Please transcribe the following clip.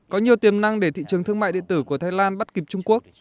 có nhiều tiềm năng để thị trường thương mại điện tử của thái lan bắt kịp trung quốc